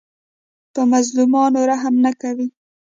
په مظلومانو رحم نه کوي.